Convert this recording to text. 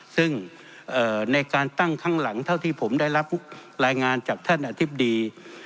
ซึ่งในการตั้งข้างหลังเท่าที่ผมได้รับรายงานจากท่านอธิบดี